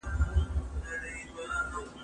هغه څوک چي پوښتنه کوي پوهه اخلي!